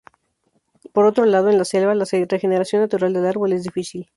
Por otro lado, en la selva, la regeneración natural del árbol es difícil.